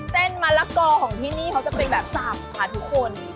มะละกอของที่นี่เขาจะเป็นแบบสาบค่ะทุกคน